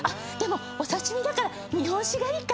お刺し身だから日本酒がいいか。